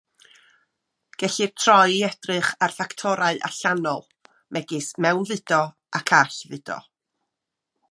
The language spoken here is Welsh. Gellir troi i edrych ar ffactorau allanol, megis mewnfudo ac allfudo.